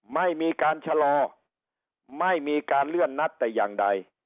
ไม่มีการชะลอไม่มีการเลื่อนนัดแต่อย่างใด